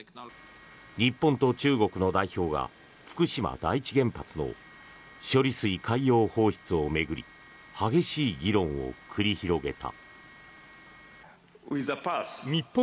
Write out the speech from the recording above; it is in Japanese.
日本と中国の代表が福島第一原発の処理水海洋放出を巡り激しい議論を繰り広げた。